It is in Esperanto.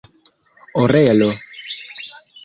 orelo